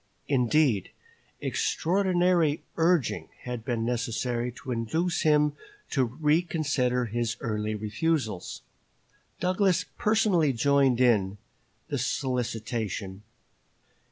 Indeed, extraordinary urging had been necessary to induce him to reconsider his early refusals. Douglas personally joined in the solicitation.